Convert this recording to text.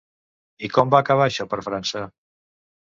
I com va acabar això per França?